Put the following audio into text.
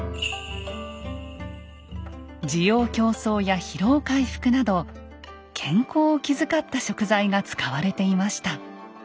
滋養強壮や疲労回復など健康を気遣った食材が使われていました。